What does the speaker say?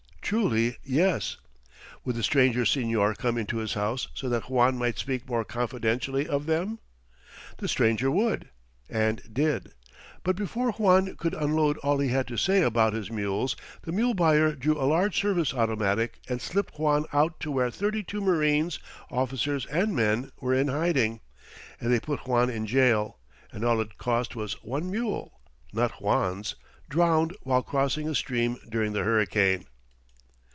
Truly yes. Would the stranger señor come into his house so that Juan might speak more confidentially of them? The stranger would. And did. But before Juan could unload all he had to say about his mules the mule buyer drew a large service automatic and slipped Juan out to where thirty two marines, officers and men, were in hiding. And they put Juan in jail, and all it cost was one mule not Juan's drowned while crossing a stream during the hurricane.